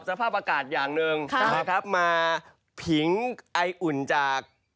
มันมัดด้วยธรรมชาติ